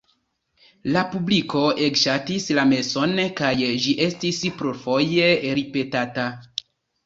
La publiko ege ŝatis la meson, kaj ĝi estis plurfoje ripetata.